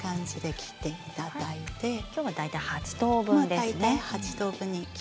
今日は大体８等分ですね。